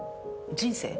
人生。